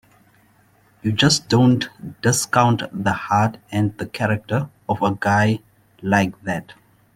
You just don't discount the heart and the character of a guy like that.